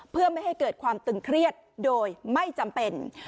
เพื่อไม่ให้เกิดความตึงเครียดโดยไม่จำเป็น